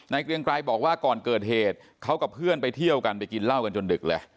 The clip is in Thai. เกรียงไกรบอกว่าก่อนเกิดเหตุเขากับเพื่อนไปเที่ยวกันไปกินเหล้ากันจนดึกเลย